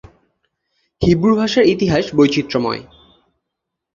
Hebrew ভাষার ইতিহাস বৈচিত্র্যময়।